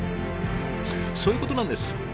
そういうことなんです。